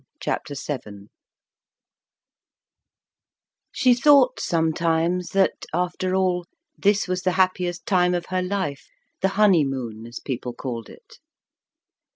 Chapter Seven She thought, sometimes, that, after all, this was the happiest time of her life the honeymoon, as people called it.